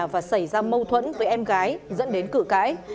và xảy ra mâu thuẫn với em gái dẫn đến cự cãi